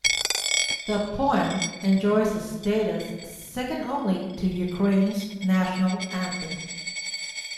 The poem enjoys a status second only to Ukraine's national anthem.